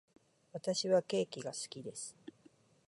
私はケーキが好きです。